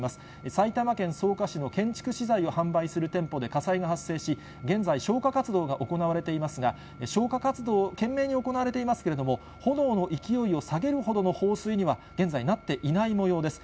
埼玉県草加市の建築資材を販売する店舗で火災が発生し、現在、消火活動が行われていますが、消火活動、懸命に行われていますけれども、炎の勢いを下げるほどの放水には、現在なっていないもようです。